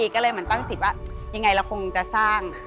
ก็เลยตั้งสิทธิ์ว่ายังไงเราคงจะสร้าง